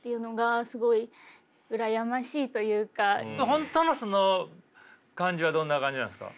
本当の素の感じはどんな感じなんですか。